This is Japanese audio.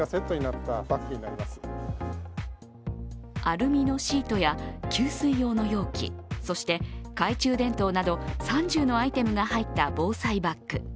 アルミのシートや給水用の容器、そして懐中電灯など３０のアイテムが入った防災バッグ。